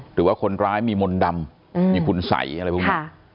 หรือว่าคนร้ายมีมนต์ดำมีคุณสัยอะไรพวกนี้